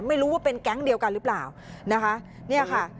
ไม่รู้ว่าเป็นแก๊งเดียวกันหรือเปล่านะคะเนี่ยค่ะ